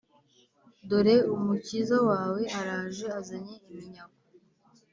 «dore umukiza wawe araje, azanye iminyago,